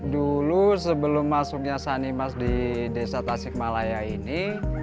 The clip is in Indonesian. dulu sebelum masuknya sanimas di desa tasikmalaya ini